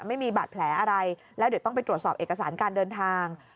ไม่มีบาดแผลอะไรแล้วเดี๋ยวต้องไปตรวจสอบเอกสารการเดินทาง